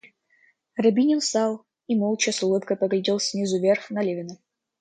Рябинин встал и молча с улыбкой поглядел снизу вверх на Левина.